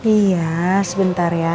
iya sebentar ya